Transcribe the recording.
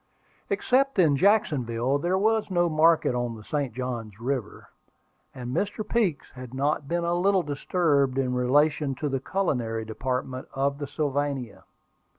Except in Jacksonville, there was no market on the St. Johns River; and Mr. Peeks had been not a little disturbed in relation to the culinary department of the Sylvania.